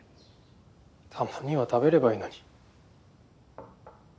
たまには食べればいいのに。